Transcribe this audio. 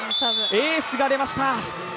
エースがでました。